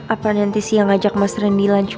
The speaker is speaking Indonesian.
apa nanti siang ajak mas rendy lunch bareng ya